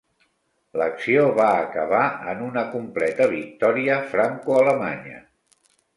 L'acció va acabar en una completa victòria francoalemanya.